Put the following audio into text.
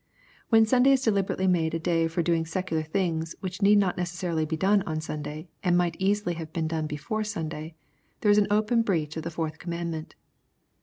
When Sunday is deliberately made a day for doing secular things which need not necessarily be done on Sunday, and might easily have been done before Sunday, there is an open breach of the fourth command ment.